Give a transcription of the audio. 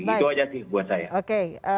itu aja sih buat saya